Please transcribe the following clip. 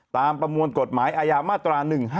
ตามประมวลกฎหมายอายามาตร๑๕๗